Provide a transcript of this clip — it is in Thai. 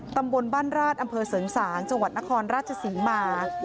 ตำบลบ้านราชอำเภอเสริงสางจังหวัดนครราชศรีมา